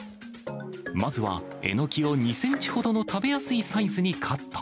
まずは、えのきを２センチほどの食べやすいサイズにカット。